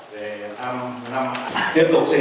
tiếp tục xây dựng hoàn thiện thẩm chế